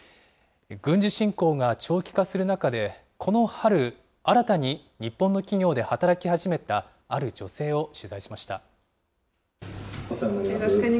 軍事侵攻が長期化する中で、この春、新たに日本の企業で働き始めたある女性を取材しました。